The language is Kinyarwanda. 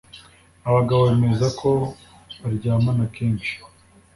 aba bagabo bemeza ko baryamana kenshi